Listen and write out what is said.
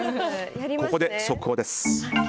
ここで速報です。